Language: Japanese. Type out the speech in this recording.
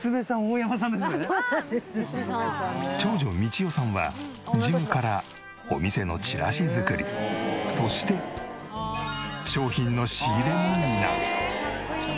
長女道代さんは事務からお店のチラシ作りそして商品の仕入れも担う。